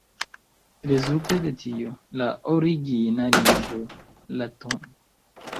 Rezulte de tio, la origina lingvo, la tn.